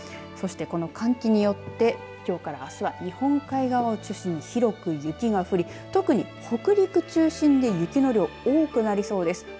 そして、この寒気によってきょうからあすは日本海側を中心に広く雪が降り、特に北陸中心で雪の量、多くなりそうです。